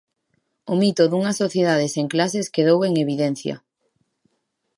O mito dunha sociedade sen clases quedou en evidencia.